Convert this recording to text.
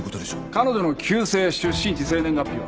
彼女の旧姓出身地生年月日は？